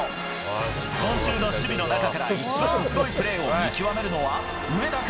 今週の守備の中から一番すごいプレーを見極めるのは、上田か？